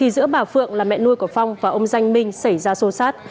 giữa bà phượng là mẹ nuôi của phong và ông danh minh xảy ra xô xát